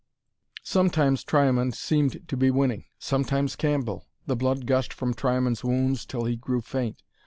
Sometimes Triamond seemed to be winning; sometimes Cambell. The blood gushed from Triamond's wounds, till he grew faint.